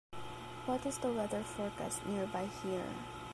What is the weather forecast nearby here